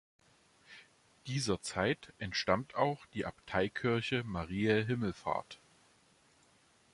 Dieser Zeit entstammt auch die Abteikirche Mariae Himmelfahrt.